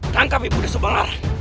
tangkap ibu unda subang arang